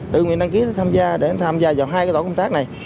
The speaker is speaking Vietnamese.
tự nguyện đăng ký tham gia để tham gia vào hai tổ công tác này